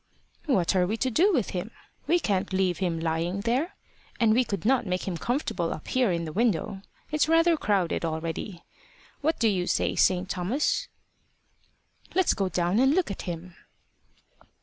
"What are we to do with him? We can't leave him lying there. And we could not make him comfortable up here in the window: it's rather crowded already. What do you say, St. Thomas?" "Let's go down and look at him."